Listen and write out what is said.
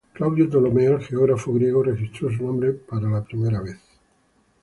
Claudio Ptolomeo, el geógrafo griego, registró su nombre para la primera vez.